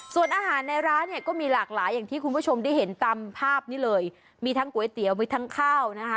ส่วนอาหารในร้านเนี่ยก็มีหลากหลายอย่างที่คุณผู้ชมได้เห็นตามภาพนี้เลยมีทั้งก๋วยเตี๋ยวมีทั้งข้าวนะคะ